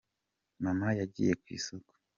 mama yagiye kwisoko.